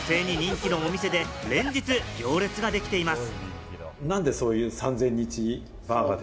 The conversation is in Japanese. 女性に人気のお店で連日、行列ができています。